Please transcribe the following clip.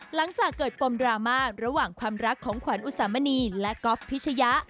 หลังจากเกิดปมดราม่าระหว่างความรักของขวัญอุสามณีและก๊อฟพิชยะ